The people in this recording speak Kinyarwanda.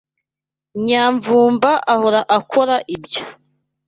Nyamvumba ahora akora ibyo.